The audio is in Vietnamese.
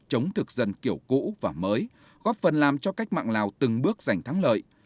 chống thực dân kiểu cũ và mới góp phần làm cho cách mạng lào từng bước giành thắng lợi